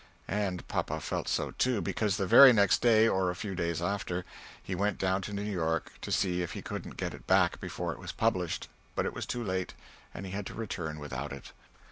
And Papa felt so too, because the very next day or a few days after, he went down to New York to see if he couldn't get it back before it was published but it was too late, and he had to return without it.